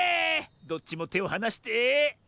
どっちもてをはなして。